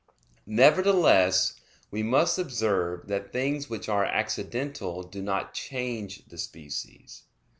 Nevertheless, we must observe that things which are accidental do not change the species.